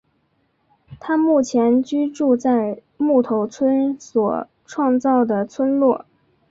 他目前居住在木头村所创造的村落。